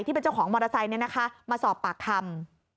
ที่เป็นเจ้าของมอเตอร์ไซค์มาสอบปากคำ